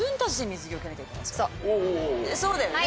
そうだよね？